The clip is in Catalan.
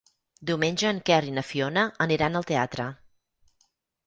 Diumenge en Quer i na Fiona aniran al teatre.